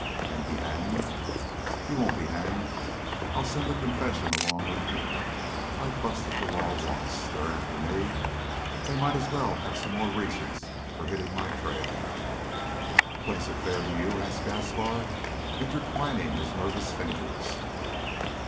"And be hanged?" "You won't be hanged. I'll send a confession along with you. I've busted the law once. They're after me. They might as well have some more reasons for hitting my trail." "But is it fair to you?" asked Gaspar, intertwining his nervous fingers.